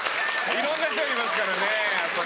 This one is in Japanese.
いろんな人がいますからねやっぱね。